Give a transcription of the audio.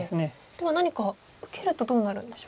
では何か受けるとどうなるんでしょうか。